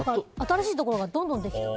新しいお店がどんどんできて。